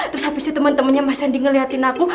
terus habis itu temen temennya mas randy ngeliatin aku